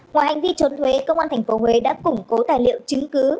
ngoài hành vi trốn thuế công an tp huế đã củng cố tài liệu chứng cứ